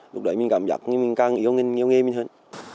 lúc đấy mình cảm giác như mình càng yêu nghe mình hơn